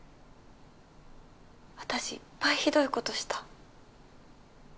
私いっぱいひどいことした。